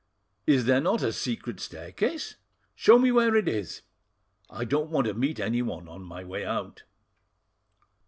Is there not a secret staircase? Show me where it is. I don't want to meet anyone on my way out."